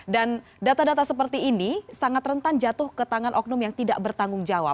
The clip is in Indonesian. dan data data seperti ini sangat rentan jatuh ke tangan oknum yang tidak bertanggung jawab